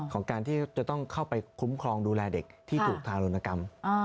ของการที่จะต้องเข้าไปคุ้มครองดูแลเด็กที่ถูกทารุณกรรม